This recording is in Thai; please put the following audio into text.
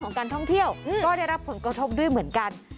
การท่องเที่ยวก็ได้รับผลกระทบด้วยเหมือนกัน